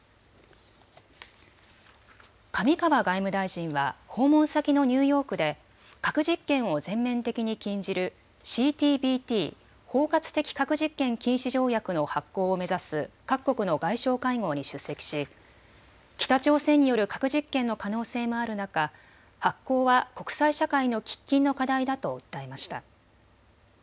上川外務大臣は訪問先のニューヨークで核実験を全面的に禁じるＣＴＢＴ・包括的核実験禁止条約の発効を目指す各国の外相会合に出席し北朝鮮による核実験の可能性もある中、発効は国際社会の喫緊の課題だと訴えました。